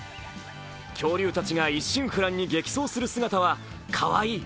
恐竜たちが一心不乱に激走する姿はカワイイ！